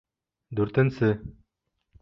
Дүртенсе.